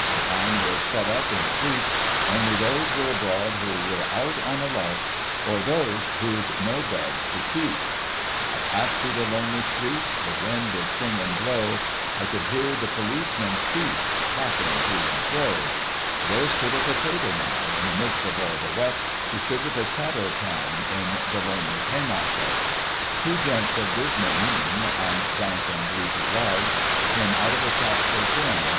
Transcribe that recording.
The town was shut up in sleep ; Only those were abroad who were out on a lark» Or those, who'd no beds to keep. " I pass'd through the lonely street, The wind did sing and " How many hundred shares have you wrote for ?" Railroad Speculators. blow ; I could hear the policeman's feet Clapping to and fro. " There stood a potato man In the midst of all the wet ; He stood with his 'tato can In the lonely Haymarket. " Two gents of dismal mien, And dank and greasy rags. Came out of a shop for gin.